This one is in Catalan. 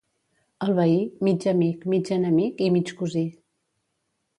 El veí, mig amic, mig enemic i mig cosí.